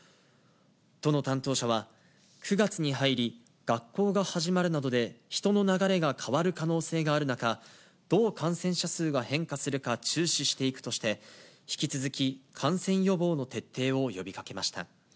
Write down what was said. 都の担当者は、９月に入り、学校が始まるなどで、人の流れが変わる可能性がある中、どう感染者数が変化するか注視していくとして、引き続き感染予防の徹底を呼びかけました。